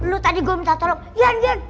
lo tadi gua minta tolong jan jan